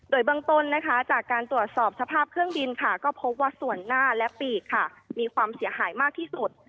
โดยเบื้องต้นนะคะจากการตรวจสอบสภาพเครื่องบินค่ะก็พบว่าส่วนหน้าและปีกค่ะมีความเสียหายมากที่สุด